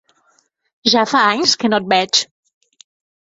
Ja fa anys que no et veig!